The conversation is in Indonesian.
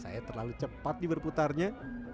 saya terlalu cepat nih berputarnya